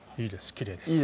いいです